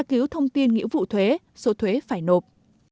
tra cứu thông tin nghĩa vụ thuế số thuế phải nộp